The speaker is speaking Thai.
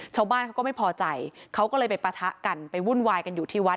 ชาวบ้านเขาก็ไม่พอใจเขาก็เลยไปปะทะกันไปวุ่นวายกันอยู่ที่วัด